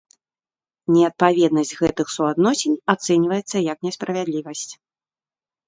Неадпаведнасць гэтых суадносін ацэньваецца як несправядлівасць.